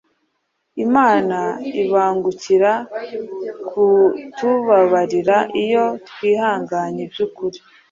Imana ibangukira kutubabarira iyo twihanganye by’ukuri,